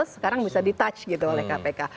sekarang bisa di touch gitu oleh kpk